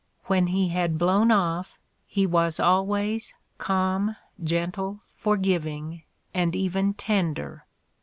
,.. "When he had blown off he was always calm, gentle, forgiving and even tender."